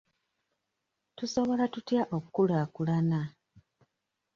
Tusobola tutya okkulaakulana?